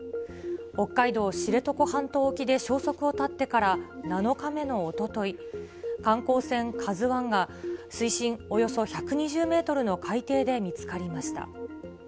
北海道知床半島沖で消息を絶ってから７日目のおととい、観光船、カズワンが水深およそ１２０メートルの海底で見つかりました。